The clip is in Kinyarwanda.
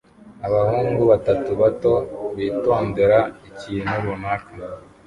Abahungu batatu bato bitondera ikintu runaka